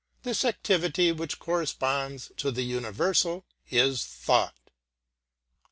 This activity, which corresponds to the universal, is thought.